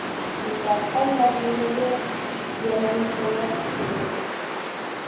Imron Xon Madinaga yalangoyoq keldi